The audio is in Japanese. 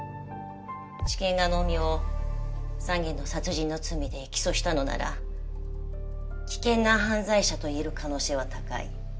地検が能見を３件の殺人の罪で起訴したのなら危険な犯罪者と言える可能性は高い。